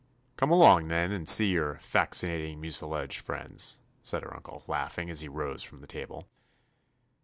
'* "Come along, then, and see your *faxinating mucilage' friends," said her uncle, laughing, as he rose from the table.